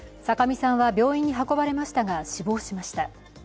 酒見さんは病院に運ばれましたが、死亡しました。